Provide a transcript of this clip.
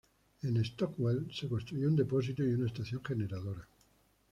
En Stockwell se construyó un depósito y una estación generadora.